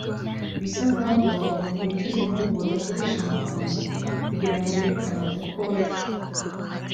Bisa nkaho abagabo bicuza impamvu badakoresha amagambo kugira ngo berekane uko bari